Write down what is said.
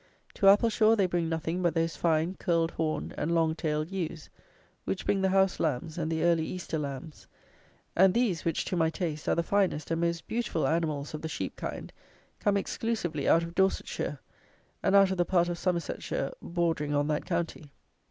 To Appleshaw they bring nothing but those fine curled horned and long tailed ewes, which bring the house lambs and the early Easter lambs; and these, which, to my taste, are the finest and most beautiful animals of the sheep kind, come exclusively out of Dorsetshire and out of the part of Somersetshire bordering on that county.